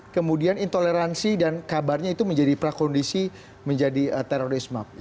kemudian intoleransi dan kabarnya itu menjadi prakondisi menjadi terorisme